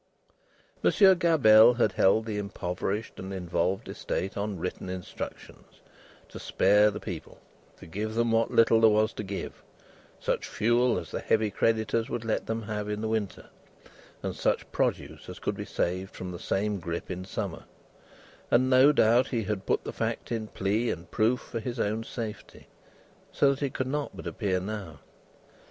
Monsieur Gabelle had held the impoverished and involved estate on written instructions, to spare the people, to give them what little there was to give such fuel as the heavy creditors would let them have in the winter, and such produce as could be saved from the same grip in the summer and no doubt he had put the fact in plea and proof, for his own safety, so that it could not but appear now.